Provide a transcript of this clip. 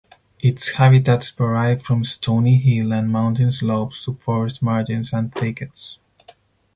Its habitats vary from stony hill and mountain slopes to forest margins and thickets.